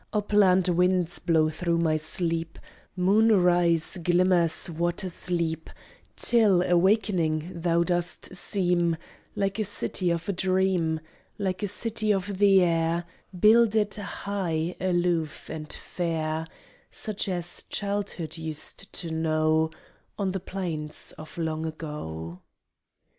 Upland winds blow through my sleep, Moonrise glimmers, waters leap, Till, awaking, thou dost seem Like a city of a dream, Like a city of the air, Builded high, aloof and fair, Such as childhood used to know On the plains of long ago.